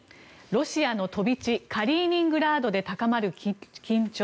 ロシアの飛び地カリーニングラードで高まる緊張